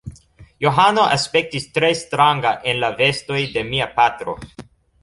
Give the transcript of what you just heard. Johano aspektis tre stranga en la vestoj de mia patro.